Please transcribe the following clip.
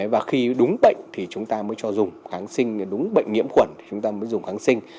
và khi đúng bệnh thì chúng ta mới cho dùng kháng sinh đúng bệnh nhiễm khuẩn chúng ta mới dùng kháng sinh